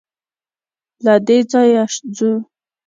له دې ځايه ځو.